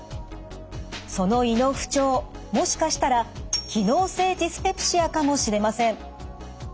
その胃の不調もしかしたら機能性ディスペプシアかもしれません。